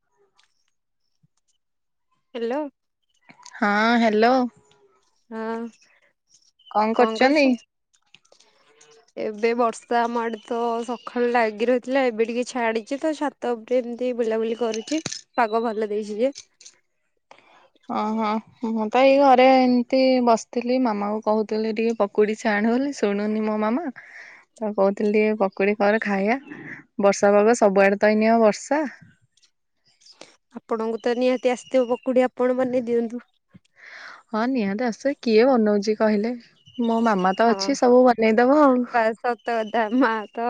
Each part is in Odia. [inaudible] ହାଲୋ। ହଁ ହ୍ୟାଲୋ। ହଁ। କଣ କରୁଚନ୍ତି? ଏବେ ବର୍ଷା ଆମ ଆଡେ ତ ସଖାଳୁ ଲାଗି ରହିଥିଲା। ଏବେ ଟିକେ ଛାଡିଛି ତ ଛାତ ଉପରେ ଏମତି ବୁଲାବୁଲି କରୁଛି। ପାଗ ଭଲ ଦେଇଛି ଯେ। [inaudible] ଓ ହୋ, ମୁଁ ତ ଏଇ ଘରେ ତି ବସିଥିଲେ ମାମା କୁ କହୁଥିଲେ ଟିକେ ପକୁଡି ଛାଣ ବୋଲି ଶୁଣୁନି ମୋ ମାମା। ତ କହୁଥିଲି ଟିକେ ପକୁଡି କରେ ଖାଇବା ବର୍ଷା ଏବେ ସବୁଆଡେ ତ ଏଇନିଅ ବର୍ଷା। [inaudible] ଆପଣଙ୍କୁ ତ ନିହାତି ଆସିଥିବ ପକୁଡି ଆପଣ ବନେଇ ଦିଅନ୍ତୁ। ହଁ ନିହାତି ଆସ କିଏ ବନଉଚି କହିଲେ। ମୋ ମାମା ତ ହଁ ଅଛି ସବୁ ବନେଇଦବ ଆଉ ବା ସତ କଥା ମା ତ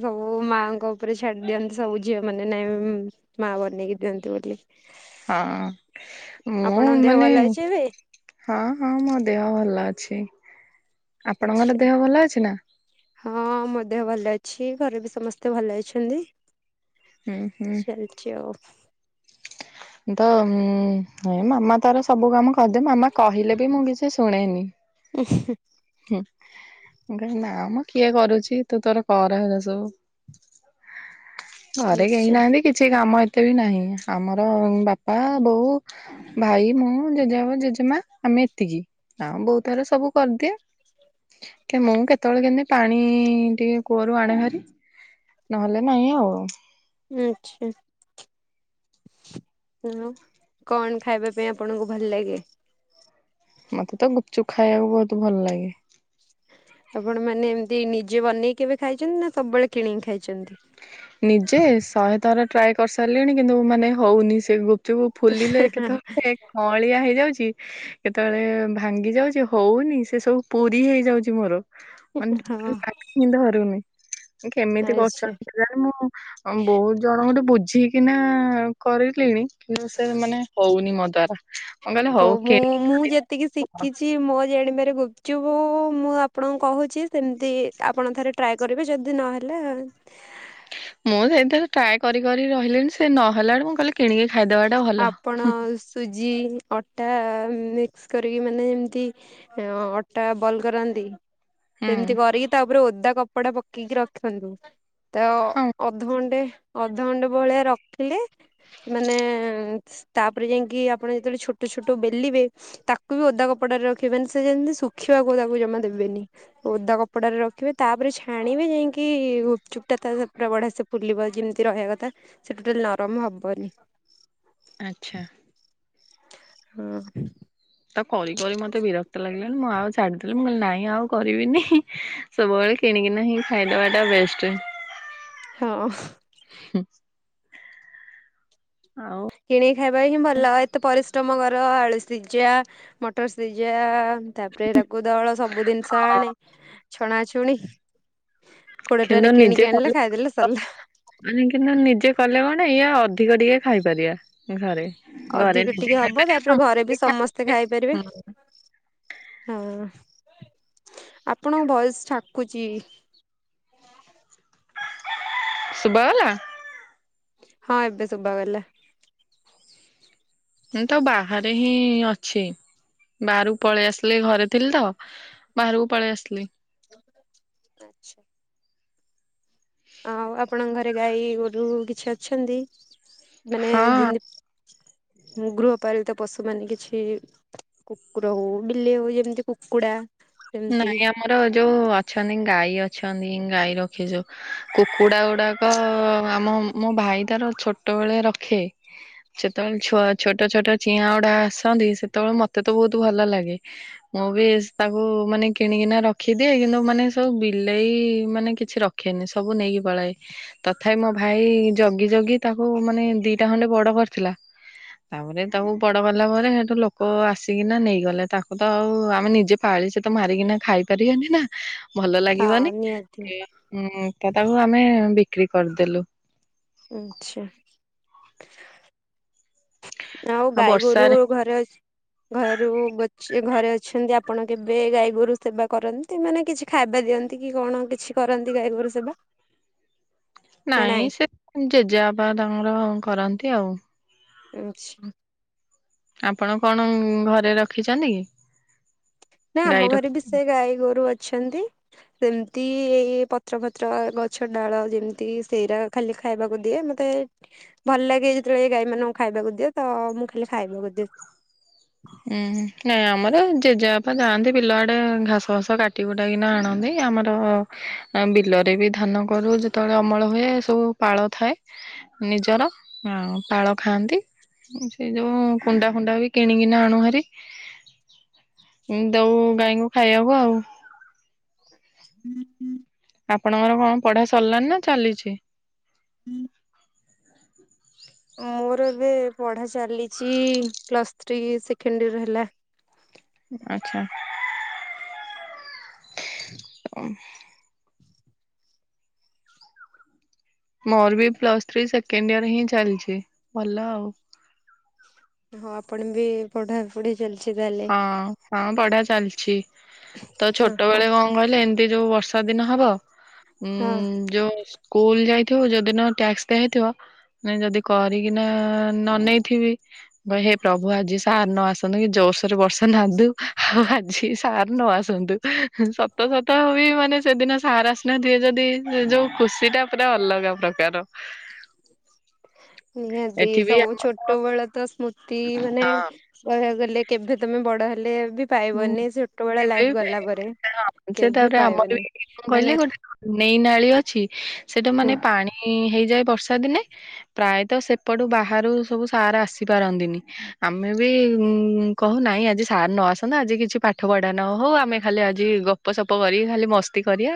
ସବୁ ବୁ, ମାଆଙ୍କ ଉପରେ ଛାଡି ଦିଅନ୍ତି ସବୁ ଝିଅ ମାନେ ନାଇଁ ମା ବନେଇକି ଦିଅନ୍ତୁ ବୋଲି। ହଁ ମୁଁ ଆପଣଙ୍କ ଦେହ ମାନେ, ଭଲ ଅଛି ଏବେ? ହଁ ହଁ ମୋ ଦେହ ଭଲ ଅ ଛି। ଆପଣଙ୍କର ଆଛା ଦେହ ଭଲ ଅଛି ନା? ହଁ ମୋ ଦେହ ଭଲ ଅଛି। ଘରେ ବି ସମସ୍ତେ ଭଲ ଅଛନ୍ତି। ହୁଁ ହୁଁ ଚାଲଚି ଆଉ। ଉଁ, ତ ଉଁ, ଏ ମାମା ତାର ସବୁ କାମ କରିଦେ। ମାମା କହିଲେ ବି ମୁଁ କିଛି ଶୁଣେନି। ଉଁ, ହୁଁ, ମୁଁ କହେ ନା ମୋ କିଏ କରୁଛି ତୁ ତୋର କର ହେଲା ସବୁ। ଘରେ କେହି ଆଛା ନାହାନ୍ତି କିଛି କାମ ଏ ତେ ବି ନାହିଁ। ଆମର ବାପା, ବୋଉ, ଭାଇ, ମୁଁ ଜେଜେ ବାପା, ଜେଜେମା ଆମ ମେ ଏତିକି ଆ, ବୋଉ ତାର ସବୁ କରିଦିଏ। ତ ମୁଁ କେତେବେଳେ କେମତି ପାଣି ଟିକେ କୂଅରୁ ଆଣେ ଭାରି। ନହେଲେ ନାଇଁ ଆଉ। ଆଚ୍ଛା। [unintelligible] କଣ ଖାଇବା ପାଇଁ ଆପଣଙ୍କୁ ଭଲ ଲାଗେ? ମତେ ତ ଗୁପଚୁପ ଖାଇବାକୁ ବହୁତ ଭଲ ଲାଗେ। ଆପଣ, ମାନେ ଏମିତି ନିଜେ ବନେଇକି କେବେ ଖାଇଛନ୍ତି ନା, ସବୁବେଳେ କିଣିକି ଖାଇ ନିଜେ ଶହେ ଥର ଟ୍ରାଏ କରିସାରିଲେଣି, କିନ୍ତୁ ମାନେ ହଉନି ସେ ଗୁପ୍ ଚୁପ୍ ଫୁଲିଲେ କେତେବେଳେ ଖଁଳିଆ ହେଇଯାଉ ଛି କେତେବେଳେ ଭାଙ୍ଗି ଯାଉଛି ହଉନି, ସେ ସବୁ ପୁରୀ ହେଇଯାଉଛି ମୋର। ମାନେ ଟୋଟାଲ ହଁ [unintelligible] ଧରୁନି। କେମିତି ଆଚ୍ଛା। କରୁଛନ୍ତି କେଜାଣି? ମୁଁ ବହୁତ ଜଣ ଗୋଟେ ବୁଝିକିନା କରିଲିଣି, କିନ୍ତୁ ସେ ମାନେ ହଉନି ମୋ ଦ୍ଵାରା। ମୁଁ କହିଲି ହଉ ମୁଁ କିଣିକି -ମୁଁ ଖାଇଦିଅ ଯେତିକି ଶିଖିଛି, ମୋ ଜାଣିବା ରେ ଗୁପଚୁପ୍ ମୁଁ ଆପଣଙ୍କୁ କହୁଛି, ସେମିତି ଆପଣ ଥରେ ଟ୍ରାଏ କରିବେ। ଯଦି ନହେଲା ମୁଁ ସେଇ ଥେରେ ଟ୍ରାଏ କରି କରି ରହିଲିଣି, ସେ ନହେଲା ରୁ ମୁଁ କହିଲି କିଣିକି ଖାଇଦବା ଟା ଭଲ। ଆପଣ ସୁଜି ଅଟା ମିକ୍ସ କରିକି, ମାନେ ଏମିତି ଅଟା ବଲ୍ କରାନ୍ତି। ହୁଁ ସେମିତି କରିକି, ତାପରେ ଓଦା କପଡା ପକେଇକି ରଖନ୍ତୁ। ତ ହଁ ଅଧଘଣ୍ଟେ ଅଧଘଣ୍ଟେ ଭଳିଆ ରଖିଲେ ମାନେ ତାପରେ ଯାଇକି ଆପଣ ଯେତେବେଳେ ଛୋଟ ଛୋଟ ବେଲିବେ, ତାକୁ ବି ଓଦା କପଡ଼ାରେ ର ରଖିବେ ସେ ଯେମିତି ଶୁଖିବାକୁ ତାକୁ ଜମା ଦେବେନି। ଓଦା କପଡାରେ ରଖିବେ, ତାପରେ ଛାଣିବେ ଯାଇ କି ଗୁପଚୁପ୍ ଟା ତ ପୁରା ବଢିଆ ସେ ଫୁଲିବ। ଯେମିତି ରହିବା କଥା, ସେ ଟୋଟାଲ ନରମ ହବନି। ଆଚ୍ଛା। ହଁ। ତାକୁ କରି କରି ମତେ ବିରକ୍ତ ଲାଗିଲା ଣି ମୁଁ ଆଉ ଛାଡିଦେଲି, ମୁଁ କହିଲି ନାଇଁ ଆଉ କରିବିନି ସବୁବେଳେ କିଣିକିନା ହି ଖାଇଦବା ଟା ବେଷ୍ଟ। ହ ହଁ। ହୁଁ। କିଣିକି ଖାଇବା ହିଁ ଭଲ। ଏତେ ପରି ଶ୍ରମ କର ଆଳୁ ସିଝା, ମଟର ସିଝା ତାପରେ ତାକୁ ଦଳ ସବୁ ଜିନିଷ ଆଣେ। ଛଣାଛୁଣି କୋଡ଼ିଏ କିନ୍ତୁ ଟଙ୍କାରେ ନିଜେ କିଣିକି କଲେ ଆଣିଲେ ଖାଇଦେଲେ ସରିଲା। ମାନେ କିନ୍ତୁ ନିଜେ କଲେ କଣ, ଏଇଆ ଅଧିକ ଟିକେ ଖାଇପାରିବା ଘରେ। ଘରେ ଅଧିକ ନିଜେ ଟିକେ ହବ, ଖାଇପାରିବା ତାପରେ ଘରେ ବି ସମସ୍ତେ ଖାଇପାରିବେ। ସମ ହଁ ଆପଣଙ୍କ ଭଏସ ଠାକୁଚି। ଶୁଭାଗଲା? ହଁ ଏବେ ଶୁଭାଗଲା। ନାଇଁ ତ ବାହାରେ ହିଁ ଅଛି। ବାହାରକୁ ପଳେଇ ଆସିଲି, ଘରେ ଥିଲି ତ ବାହାରକୁ ପଳେଇ ଆସିଲି। ଆଛା। ଆଉ ଆପଣଙ୍କ ଘରେ ଗାଈ, ଗୋରୁ କିଛି ଅଛନ୍ତି? ମାନେ ହଁ ଯେମିତି ଗୃହପାଳିତ ପଶୁ ମାନେ କିଛି କୁକୁର ହଉ, ବିଲେଇ ହଉ, ଯେମିତି କୁକୁଡ଼ା। ନାଇଁ ଆମର ଯୋଉ ଅଛନ୍ତି, ଗାଈ ଅଛନ୍ତି ଗାଈ ରଖିଛୁ। କୁକୁଡା ଗୁଡାକ, ଆମ ମୋ ଭାଇ ତାର ଛୋଟ ବେଳେ ରଖେ। ସେତେବେଳେ ଛୁଆ ଛୋଟ ଛୋଟ ଚିଆଁ ଗୁଡା ଆସନ୍ତି, ସେତେବେଳେ ମତେ ତ ବହୁତ ଭଲ ଲାଗେ। ମୁଁ ବି ତାକୁ ମାନେ କିଣିକିନା ରଖିଦିଏ, କିନ୍ତୁ ମାନେ ସବୁ ବିଲେଇ ମାନେ କିଛି ରଖେନି ସବୁ ନେଇକି ପଳାଏ। ତଥାପି ମୋ ଭାଇ, ଜଗି ଜଗି ତାକୁ ମାନେ ଦିଟା ଖଣ୍ଡେ ବଡ କରିଥିଲା। ତାପରେ ତାକୁ ବଡ ଗଲା ପରେ, ସେଠୁ ଲୋକ ଆସିକିନା ନେଇଗଲେ। ତାକୁ ତ ଆଉ ଆମେ ନିଜେ ପାଳି ସେ ତ ମାରିକିନା ଖାଇ ପାରିବନି ନା। ଭଲ ହଁ ଲାଗିବନି, ନିହାତି। ତ ତାକୁ ଆମେ ବିକ୍ରି କରିଦେଲୁ। ଆଚ୍ଛା। ଆଉ ଗାଈ ଗୋରୁ ଘରେ ଅ ଘରୁ ଘରେ ଅଛନ୍ତି ଆପ ଆପଣ କେବେ ଗାଈ ଗୋରୁ ସେବା କରନ୍ତି, ମାନ କିଛି ଖାଇବା ଦିଅନ୍ତି କି କଣ କିଛି କରନ୍ତି ଗାଈଗୋରୁ ସେବା? ନାଇଁ ସେ ଜେଜେବାବା ତାଙ୍କର କରନ୍ତି ଆଉ। ଆଛା। ଆପଣ କଣ ଘରେ, ରଖିଛନ୍ତି କି? ନା ଆମ ଗାଈର ଘରେ ବି, ସେ ଗାଈ ଗୋରୁ ଅଛନ୍ତି। ସେମିତି ଏଇ ପତ୍ର ଫତ୍ର ଗଛ ଡାଳ ଯେମିତି ସେଇରା ଖାଲି ଖାଇବାକୁ ଦିଏ ମତେ ଏ ଭଲ ଲାଗେ ଯେତେବେଳେ ଏ ଗାଈ ମାନଙ୍କୁ ଖାଇବାକୁ ଦିଅ ତ ମୁଁ ଖାଲି ଖାଇବାକୁ ଦିଏ। [inaudible] ହୁଁ, ନାଇଁ ଆମର ଜେଜେବାପା ଯାଆନ୍ତି ବିଲ ଆଡେ ଘାସ ଫାସ କାଟି କୁଟାକିନା ଆଣନ୍ତି। ଆମର, ବିଲରେ ବି ଧାନ କରୁ ଯେତେବେଳେ ଅମଳ ହୁଏ ସବୁ ପାଳ ଥାଏ। ନିଜର, ହୁଁ, ପାଳ ଖାଆନ୍ତି ସେ ଯୋଉ କୁଣ୍ଡା ଫୁଣ୍ଡା ବି କିଣିକିନା ଆଣୁ ଭାରି ଦଉ ଗାଈଙ୍କୁ ଖାଇବାକୁ ଆଉ। ହୁଁ ହୁଁ। ଆପଣଙ୍କର କଣ ପଢା ସରିଲାଣି ନା ଚାଲିଛି। ହୁଁ। ର ଏବେ ପଢା ଚାଲିଛି ପ୍ଲସଥ୍ରୀ ସେକେଣ୍ଡ ଇୟର ହେଲା। ଆଛ୍ଛା [unintelligible] ମୋର ବି ପ୍ଲସ ଥ୍ରୀ ସେକେଣ୍ଡ ଇୟର ହିଁ ଚାଲିଛି ଭଲ ଆଉ। ହଁ ଆପଣ ବି ପଢା ପଢି ଚାଲିଛି ତାହେଲେ ହଁ, ହଁ ପଢ଼ା ଚାଲିଛି। ଛି ତ ଛୋଟବେଳେ କଣ କହିଲେ, ଏମିତି ଯୋଉ ବର୍ଷା ଦିନ ହବ ହୁଁ ହଁ ଯୋ। ସ୍କୁଲ ଯାଇଥିବୁ ଯଉଦିନ ଟ୍ୟାକ୍ସ ହେଇଥିବ ଯଦି କରିକିନା ନ ନେଇେଇଥିବି। ଵ ହେ ପ୍ରଭୁ ଆଜି ସାର୍ ନ ଆସନ୍ତୁ କି ଜୋରସୋରେ ବର୍ଷା ନାଦୁ। ଆଜି ସାର୍ ନ ଆସନ୍ତୁ ସତ ସତ ହ ବି ମାନେ ସେଦିନ। ସାର ଆସିନାହାନ୍ତି ଏ ଯଦି ଯୋଉ ଖୁସି ଟା ପୁରା ଅଲଗା ପ୍ରକାର। ନିହାତି ଏଠି ବି ସବୁ ଆମ ଛୋଟବେଳ ତ ସ୍ମୃତି ମାନେ ୱ କହିବାକୁ ଗଲେ କେବେ ତମେ ବଡ ହେଲେ। ବି ହୁଁ ପାଇବନି ଛୋଟବେଳ [unintelligible] ଲାଇଫ ଗଲା ପରେ। କେବେ ତାପରେ ଆମରବି ପାଇବନି କଣ କହିଲେ ମାନେ ଗୋ ନେଇ ନାଳି ଅଛି ସେଟା ମାନେ ପାଣି ହେଇଯାଏ ବର୍ଷା ଦିନେ ପ୍ରାୟତଃ ସେପଟୁ ବାହାରୁ ସବୁ ସାର ଆସିପାରନ୍ତିନି ଆମେ ବି। ଉଁ କହୁନାଇଁ ଆଜି ସାର ନଆସ ନା, ଆଜି କିଛି ପାଠ ପଢା ନ ହଉ ଆମେ ଖାଲି ଆଜି ଗପ ସପ କରି ଖାଲି ମସ୍ତି କରିବା,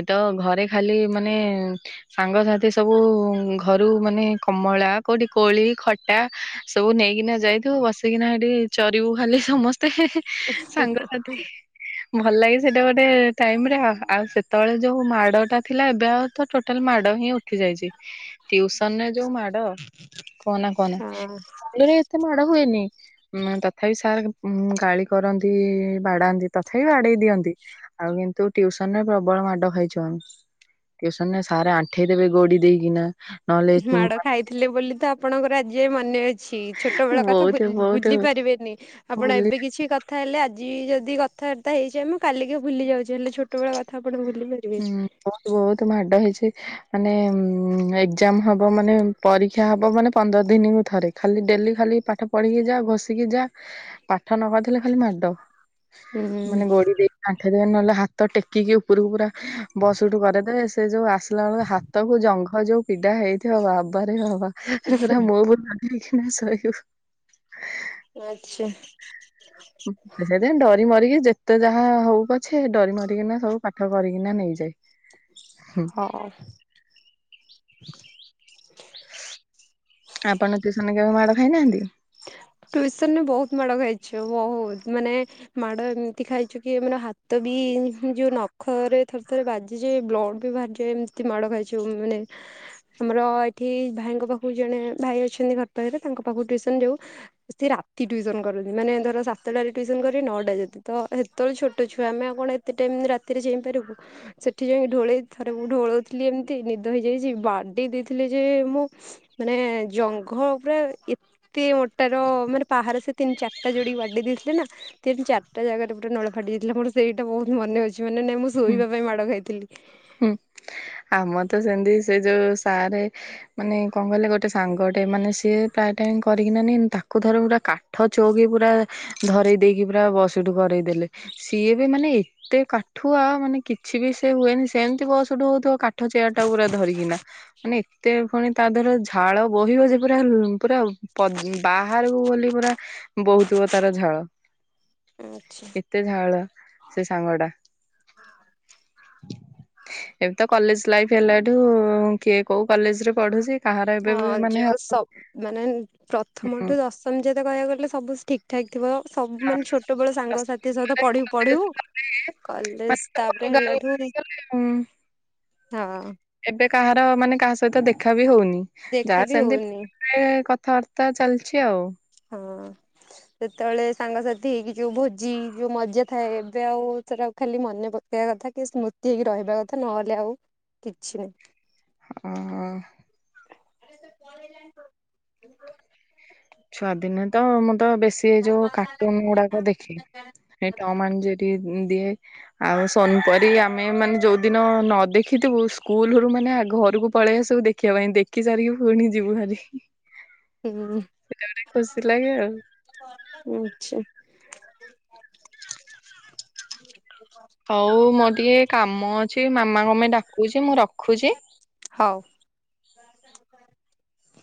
ଏତ ଘରେ ଖାଲି ମାନେ, ସାଙ୍ଗ ସାଥି ସବୁ ଘରୁ ମାନେ କମଳା କଉଠି କୋଳି ଖଟା ସବୁ ନେଇକିନା ଯାଇଥିବୁ ବସିକିନା ହେଠି ଚରିବୁ ଖାଲି ସମସ୍ତେ। ସାଙ୍ଗସାଥି [unintelligible] ଭଲ ଲାଗେ, ସେଟା ଗୋଟେ ଟାଇମ ରେ ଆଉ ସେତେବେଳେ, ଯୋଉ ମାଡ ଟା ଥିଲା ଏବେ ଆଉ ତ ଟୋଟାଲ ମାଡ ହିଁ ଉଠି ଯାଇଛି, ଟିଉସନରେ ଯୋଉ ମାଡ। କୁହନା କୁହନା ହଁ ଆଗରେ ଏତେ ମାଡ ହୁଏନି ତଥାପି ସାର୍ ଗାଳି କରନ୍ତି ବାଡାନ୍ତି ତଥାପି ବାଡେଇ ଦିଅନ୍ତି ଆଉ କିନ୍ତୁ ଟିଉସନ ରେ ପ୍ରବଳ ମାଡ ଖାଇଛୁ। ଉଁ ଟିଉସନରେ ସାର ଆଣ୍ଠେଇ ଦେବେ ଗୋଡି ଦେଇକିନା। ନହେଲେ ମାଡ ଖାଇଥିଲେ ବୋଲି ତ, ଆପଣଙ୍କର ଆଜି ଯାଏ ମନେ ଅଛି ଛୋଟ ବେଳ କଥା ବହୁତ ବହୁତ ଭୁଲି ପାରି ରିବେନି ଆପଣ ବୁଲି ଏବେ କିଛି କ କଥା ହେଲେ ଆଜି ଯଦି କଥାବାର୍ତ୍ତା ହେଇଚେ ଆମେ କାଲିକି ଭୁଲି ଯାଉଚେ ହେଲେ ଛୋଟବେଳ କଥା ଆପଣ ଭୁଲି ପାରିବେନି ହୁଁ, ବହୁତ ବହୁତ ମାଡ ହେଇଛି ମାନେ ଏକ୍ଜାମ ହବ ମାନେ ପରୀକ୍ଷା ହବ ମାନେ ପନ୍ଦର ଦିନକୁ ଥରେ ଖାଲି ଡେଲି ଖାଲି ପାଠ ପଢିକି ଯା ଘୋସିକି ଯା ପା ଠ ନ କରି ଦେଲେ ଖାଲି ମାଡ। ହୁଁ। ମାନେ ଗୋଡି ଦେଇକି ଆଣ୍ଠେଇ ଦେବେ ନହେଲେ, ହାତ ଟେକିକି ଉପରକୁ ପୁରା ବସ ଉଠୁ କରେଇଦେବେ। ସେ ଯୋଉ ଆସିଲା ବେଳକୁ ହାତକୁ ଜଙ୍ଘ ଯୋଉ ପିଡା ହେଇଥିବ ବାବାରେ ବାବା। ହେଗୁରା ମୁଭୁ ନଗେଇକିଣା ସୋଇବୁ। ଆଚ୍ଛା। ସେଇଥି ପାଇଁ ଡରି ମାରିକି ଯେତେ ଯାହା ହଉ ପଛେ ଡରି ମରିକିନା ସବୁ ପାଠ କରିକିନା ନେଇଯାଏ। ହଁ। ଆପଣ ଟିଉସନ କେବେ ମାଡ ଖାଇନାହାନ୍ତି? [unintelligible] ଯୋଉ ନଖ ରେ ଥରେ ଥରେ ବାଜିଯାଏ ବ୍ଲଡ଼ ବି ବାହାରିଯାଏ ଏମିତି ମାଡ ଖାଇଛି ମାନେ ଆମର ଏଠି ଭାଇଙ୍କ ପାଖକୁ ଜଣେ ଭାଇ ଅଛନ୍ତି ଘର ପାଖରେ ତାଙ୍କ ପାଖକୁ ଟିଉସନ ଉ ସେ ରାତି ଟିଉସନ କରନ୍ତି ମାନେ ଧର ସାତଟାରେ ଟିଉସନ କରି ନଅଟା ଯାଏ ତ ସେତେବେଳେ ଛୋଟ ଛୁଆ ଆମେ ଆଉ କଣ ଏତେ ଟାଇମ ରାତିରେ ଚେଇପାରିବୁ ସେଠି ଯାଇ ଢୋଳେଇ ଥର ଢୋଳଉଥିଲି ଏମିତି ନିଦ ହେଇଯାଇଛି ବାଡେଇ ଦେଇଥିଲେ ଯେ ମୁଁ ମାନେ ଜଙ୍ଘଲ ଉପରେ ଏତେ ମୋଟା ର ମାନେ ପାହାର ସେ ତିନି ଚାରିଟା ଯୋଡି ବାଡି ଦେଇଥିଲେ ନା ତିନି ଚାରିଟା ଜାଗାରେ ପୁରା ନୋଳାଫା ଟି ଯାଇଥିଲା ମୋର ସେଇଟା ବହୁତ ମନେ ଅଛି ମାନେ ନାଇଁ ମୁଁ ଶୋଇବା ପାଇଁ ମାଡ ଖାଇଥିଲି। ହୁଁ। ଆମର ତ ସେମତି ସେ ଯୋଉ ସାରେ ମାନେ କଣ କଲେ ଗୋଟେ ସାଙ୍ଗଟେ ମାନେ ସିଏ ତା କରିକି ନିଏ ନି ତାକୁ ଥରେ ପୁରା କାଠ ଚୋଉକି ପୁରା ଧରେଇ ଦେଇକି ପୁରା ବସ ଉଠୁ କର ଦେଲେ ସିଏ ବି ମାନେ ଏତେ କାଠୁଆ ମାନେ କିଛି ବି ସେ ହୁଏନି ସେମିତି ବସ ଉଠୁ ହଉଥିବ। କାଠ ଚେୟାରଟା ପୁରା ଧରିକିନା ମାନେ ଏତେ ପୁଣି ତା ଦେହ ରେ ଝାଳ ବୋହିବ ଯେ ପୁରା ପୁରା ବାହାରକୁ ଗଲେ ପୁରା ବହୁଥିବ ତାର ଝାଳ। ଆଚ୍ଛା ଏତେ ଝାଳ ସେ ସାଙ୍ଗ ଟା। ଏବେ ତ କଲେଜ ଲାଇଫ ହେଲା ଠୁ କିଏ କୋଉ କଲେଜରେ ପଢୁଛି? କାହାର ଏବେ ବି ହଁ ମାନେ ଯେ ଆଉ ମାନେ ପ୍ରଥମଠୁ ଦଶମ ଯେତେ କହିବାକୁ ଗଲେ ସବୁ ଠିକ। ଠାକ ଥିବ ସବୁ ମାନେ ଛୋଟ ବେଳ ପ୍ଲସ ଥ୍ରୀ ସାଙ୍ଗସାଥି ସହିତ ପରେ ପଢିବୁ କଲେଜ ପଢିବୁ ଗଲେ ମାନେ କଲେଜ ସବୁ ତାପରେ ଅଲଗା ହେଲେ ଅଲଗା ଠୁ ହେଇଗଲେ। ଉଁ। ହଁ। ଏବେ କାହାର ମାନେ କାହା ସହିତ ଦେଖା ବି ହଉନି ଦେଖା ଯାହା ବି ହଉନି ସେମିତି କଥା ବାର୍ତ୍ତା ଚାଲିଛି ଆଉ। ହଁ। ସେତେବେଳେ ସାଙ୍ଗସାଥି ହେଇକି ଯୋଉ ଭୋଜି ଯୋଉ ମଜା ଥାଏ ଏବେ ଆଉ ସେଟା ଖାଲି ମନେ ପକେଇ ଥା କି ସ୍ମୃତି ହେଇକି ରହିବା କଥା ନହେଲେ ଆଉ କିଛି ନାହିଁ। ହଁ। ଛୁଆଦିନେ ତ ମୁଁ ତ ବେଶୀ ଏଇ ଯୋଉ କାର୍ଟୁନ ଗୁଡାକ ଦେଖେ ଏଇ ଟମ ଆଣ୍ଡ ଜେରି। ଦି ଆଉ ସନପରି ଆମେ ମାନେ ଯୋଉ ଦିନ ନ ଦେଖିଥିବୁ ସ୍କୁଲରୁ ମାନେ ଘରକୁ ପଳେଆସୁ ସବୁ ଦେଖିବା ପାଇଁ ଦେଖି ସାରିକି ପୁଣି ଯିବୁ ହାରି। ହୁଁ। ସେଟା ଗୋଟେ ଖୁସି ଲାଗେ ଆଉ। [unintelligible] ହଉ ମୋର ଟିକେ କାମ ଅଛି ମାମା କଣ ପାଇଁ ଡାକୁଛି ମୁଁ ରଖୁଛି। [inaudible]